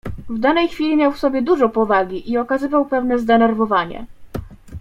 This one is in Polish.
"W danej chwili miał w sobie dużo powagi i okazywał pewne zdenerwowanie."